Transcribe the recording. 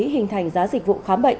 hình thành giá dịch vụ khám bệnh